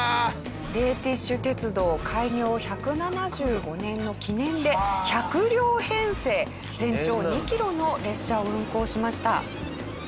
レーティッシュ鉄道開業１７５年の記念で１００両編成全長２キロの列車を運行しました。